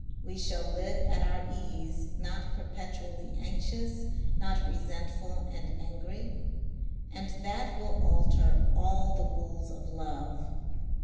We shall live at our ease, not perpetually anxious, not resentful and angry. And that will alter all the rules of love.